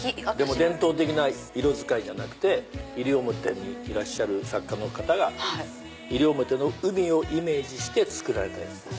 伝統的な色使いじゃなくて西表にいらっしゃる作家の方が西表の海をイメージして作られたやつです。